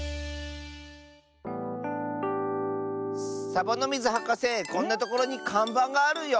サボノミズはかせこんなところにかんばんがあるよ。